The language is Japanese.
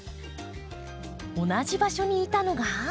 同じ場所にいたのが。